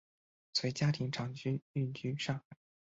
随家庭长期寓居上海。